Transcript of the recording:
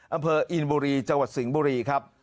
อำเภออินบุรีจังหวัดสิงห์บุรีครับ